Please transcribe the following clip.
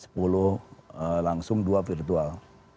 lalu langsung dua virtual